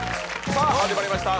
さあ始まりました